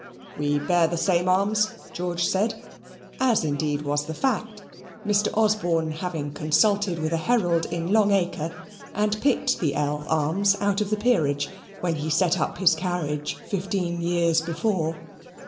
"We bear the same arms," George said, as indeed was the fact; Mr. Osborne having consulted with a herald in Long Acre, and picked the L arms out of the peerage, when he set up his carriage fifteen years before.